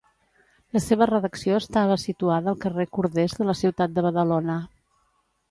La seva redacció estava situada al carrer Corders de la ciutat de Badalona.